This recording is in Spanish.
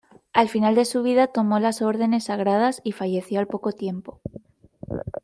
Al final de su vida tomó las órdenes sagradas y falleció al poco tiempo.